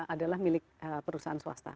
adalah milik perusahaan swasta